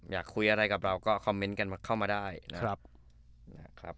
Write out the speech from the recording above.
อยากคุยอะไรกับเราก็คอมเมนต์กันเข้ามาได้นะครับ